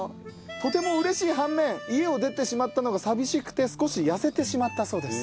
とても嬉しい反面家を出てしまったのが寂しくて少し痩せてしまったそうです。